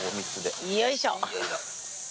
よいしょ。